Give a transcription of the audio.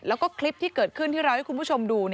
แล้วก็คลิปที่เกิดขึ้นที่เราให้คุณผู้ชมดู